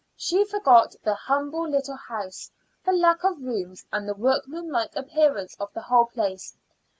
She forgot the humble little house, the lack of rooms, and the workmanlike appearance of the whole place.